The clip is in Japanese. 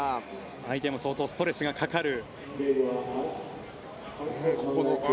相手も相当ストレスがかかる。